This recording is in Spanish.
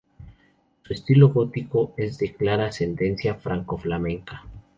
Su estilo gótico es de clara ascendencia franco-flamenca.